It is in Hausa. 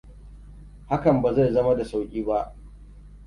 Hakan ba zai zama da sauƙi ba.